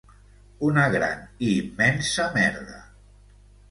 Una gran i immensa merda...